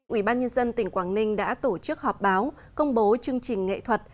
ủy ban nhân dân tỉnh quảng ninh đã tổ chức họp báo công bố chương trình nghệ thuật